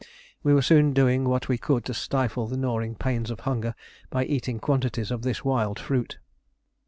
We were soon doing what we could to stifle the gnawing pains of hunger by eating quantities of this wild fruit.